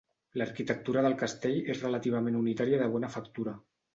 L'arquitectura del castell és relativament unitària i de bona factura.